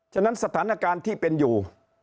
ฉะนั้นสถานการณ์ที่เป็นอยู่